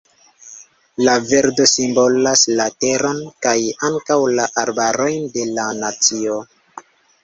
La verdo simbolas la teron, kaj ankaŭ la arbarojn de la nacio.